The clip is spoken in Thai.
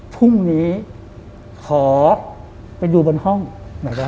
พรุ่งนี้ขอไปดูบนห้องหน่อยได้ไหม